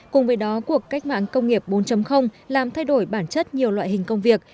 cùng với đó cuộc cách mạng công nghiệp bốn làm thay đổi bản chất nhiều loại hình công việc